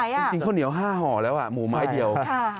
จริงข้าวเหนียว๕ห่อแล้วหมูไม้เดียว